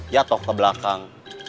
ya toh ke belakang